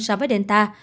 so với delta